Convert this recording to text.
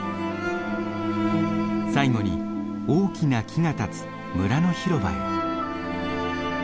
最後に大きな木が立つ村の広場へ。